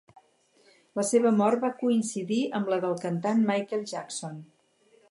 La seva mort va coincidir amb la del cantant Michael Jackson.